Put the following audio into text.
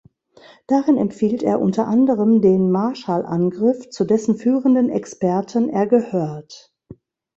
Darin empfiehlt er unter anderem den Marshall-Angriff, zu dessen führenden Experten er gehört.